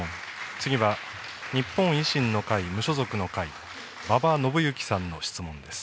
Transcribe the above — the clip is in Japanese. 次は日本維新の会・無所属の会、馬場伸幸さんの質問です。